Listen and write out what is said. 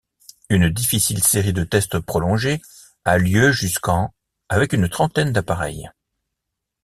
Une difficile série de tests prolongée a lieu jusqu'en avec une trentaine d'appareils.